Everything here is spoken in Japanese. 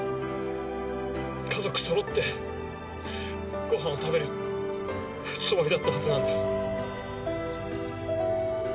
家族そろってごはんを食べるつもりだったはずなんです。